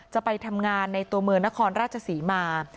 จะไปทำงานในตัวเมืองนครราชศรีมา